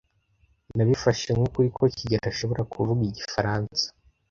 Nabifashe nk'ukuri ko kigeli ashobora kuvuga igifaransa.